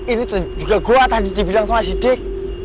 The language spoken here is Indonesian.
ini tuh juga gua tadi dibilang sama si dik